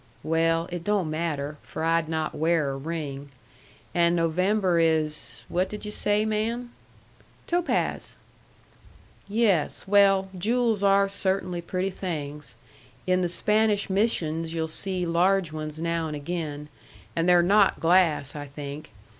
"Well, it don't matter, for I'd not wear a ring. And November is what did yu' say, ma'am?" "Topaz." "Yes. Well, jewels are cert'nly pretty things. In the Spanish Missions yu'll see large ones now and again. And they're not glass, I think.